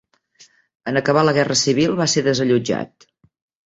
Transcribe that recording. En acabar la Guerra Civil va ser desallotjat.